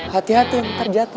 hati hati ntar jatuh